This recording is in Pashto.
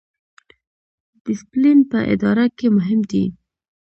ډیسپلین په اداره کې مهم دی